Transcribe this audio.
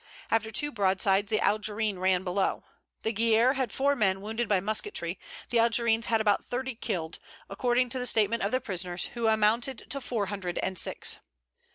After two broadsides the Algerines ran below. The Guerriere had four men wounded by musketry, the Algerines had about thirty killed, according to the statement of the prisoners, who amounted to four hundred and six.